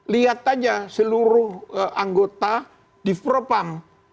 lihat saja seluruh anggota di propam